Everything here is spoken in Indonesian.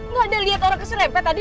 lo ada liat orang kesel lepet tadi